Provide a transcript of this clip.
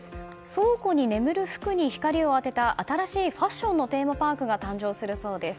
倉庫に眠る服に光を当てた新しい、ファッションのテーマパークが誕生するそうです。